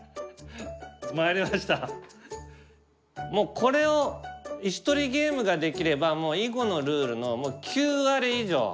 これを石取りゲームができればもう囲碁のルールの９割以上入ってるのね。